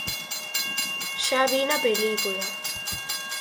Xa vin a película.